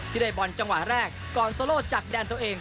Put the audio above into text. ที่ได้บอลจังหวะแรกก่อนโซโลจากแดนตัวเอง